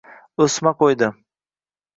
Oʼsma qoʼydi.